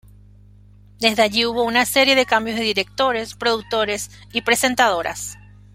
Desde allí hubo una serie de cambios de directores, productores y presentadoras.